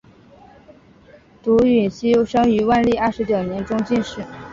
堵胤锡生于万历二十九年中进士。